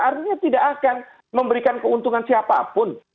artinya tidak akan memberikan keuntungan siapapun